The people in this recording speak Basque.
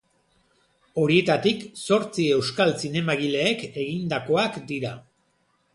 Horietatik zortzi euskal zinemagileek egindakoak dira.